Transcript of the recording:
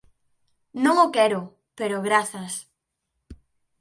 Non o quero, pero grazas.